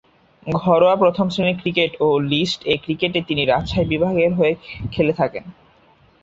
ঘরোয়া প্রথম-শ্রেণীর ক্রিকেট ও লিস্ট এ ক্রিকেটে তিনি রাজশাহী বিভাগের হয়ে খেলে থাকেন।